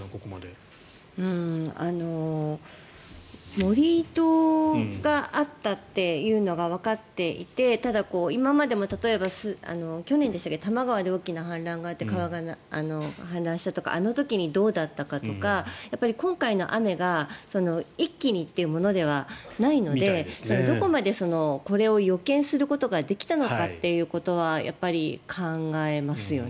盛り土があったっていうのがわかっていてただ、今までも例えば去年でしたか多摩川で大きな氾濫があって川が氾濫したとかあの時にどうだったかとか今回の雨が一気にというものではないのでどこまでこれを予見することができたのかというのはやっぱり、考えますよね。